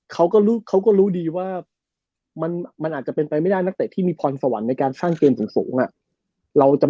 เขาก็รู้ดีว่ามันอาจจะเป็นไปไม่ได้นักเตะที่มีพรสวรรค์ในการสร้างเกมสูง